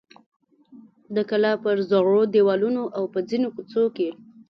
د کلا پر زړو دیوالونو او په ځینو کوڅو کې.